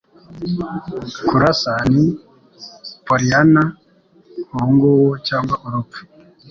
Kurasa. Ni Pollyanna ubungubu cyangwa urupfu.